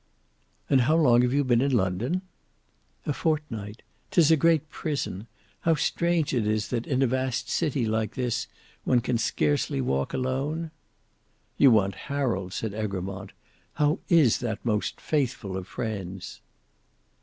"And how long have you been in London?" "A fortnight. 'Tis a great prison. How strange it is that, in a vast city like this, one can scarcely walk alone?" "You want Harold," said Egremont. "How is that most faithful of friends?"